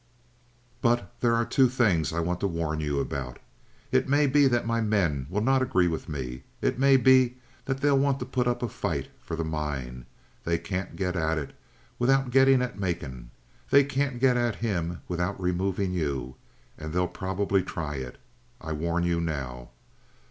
But there are two things I want to warn you about. It may be that my men will not agree with me. It may be that they'll want to put up a fight for the mine. They can't get at it without getting at Macon. They can't get at him without removing you. And they'll probably try it. I warn you now.